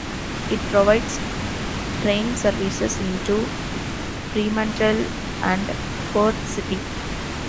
It provides train services into Fremantle and Perth City.